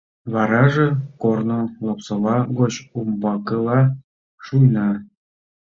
Вараже корно Лапсола гоч умбакыла шуйна.